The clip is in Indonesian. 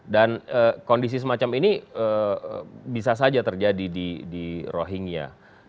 dan kondisi semacam ini bisa saja terjadi di rohingya